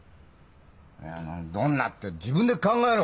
いや「どんな」って自分で考えろ！